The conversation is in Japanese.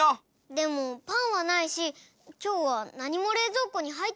でもパンはないしきょうはなにもれいぞうこにはいってないよ。